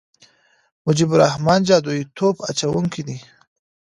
مجيب الرحمن جادويي توپ اچونه کوي.